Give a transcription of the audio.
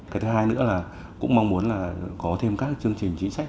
cái thứ hai nữa là cũng mong muốn là có thêm các chương trình chính sách